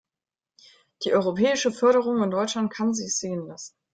Die europäische Förderung in Deutschland kann sich sehen lassen.